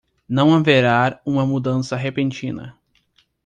Não haverá uma mudança repentina